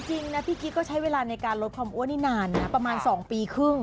จริงนะพี่กิ๊กก็ใช้เวลาในการลดความอ้วนนี่นานนะประมาณ๒ปีครึ่ง